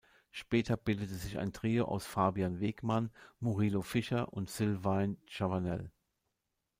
Später bildete sich ein Trio aus Fabian Wegmann, Murilo Fischer und Sylvain Chavanel.